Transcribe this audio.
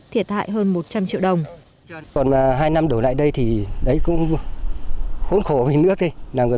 thiệt hại hơn một trăm linh triệu đồng